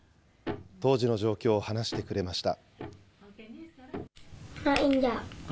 当時の状況を話してくれました。